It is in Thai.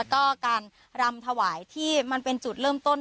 ก็การรำถวายที่มันเป็นจุดเริ่มต้น